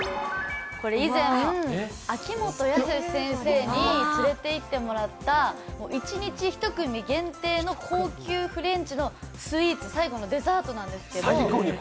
以前、秋元康先生に連れていってもらった連れて行ってもらった一日１組限定の高級フレンチのスイーツ、最後デザートなんですけど。